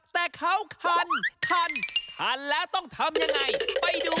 แต่เขาคันคันคันแล้วต้องทำยังไงไปดู